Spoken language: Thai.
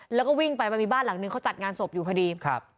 แล้วก็วิ่งไปมันมีบ้านหลังนึงเขาจัดงานศพอยู่พอดีครับ